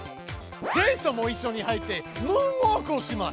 ジェイソンもいっしょに入ってムーンウォークをします！